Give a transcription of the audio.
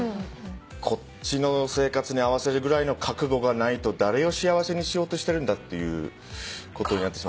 こっちの生活に合わせるぐらいの覚悟がないと誰を幸せにしようとしてるんだっていうことになってしまう。